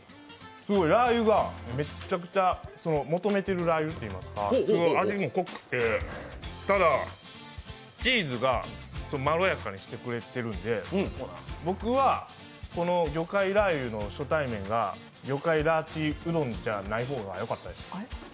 すごいラー油がめちゃくちゃ求めてるラー油といいますか、すごい味も濃くてただ、チーズがまろやかにしてくれてるんで僕はこの魚介ラー油の初対面が魚介ラーチーうどんじゃない方がよかったです。